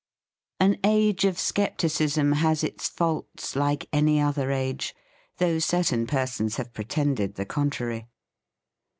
4: 4c An age of scepticism has its faults, like any other age, though certain per sons have pretended the contrary.